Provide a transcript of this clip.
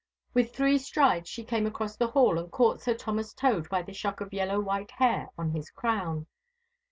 With three strides she came across the hall and caught Sir Thomas Tode by the shock of yellow white hair on his crown.